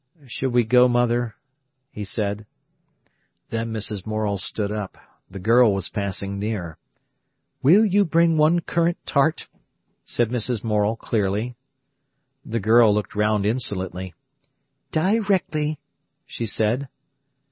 "Should we go, mother?" he said. Then Mrs. Morel stood up. The girl was passing near. "Will you bring one currant tart?" said Mrs. Morel clearly. The girl looked round insolently. "Directly," she said.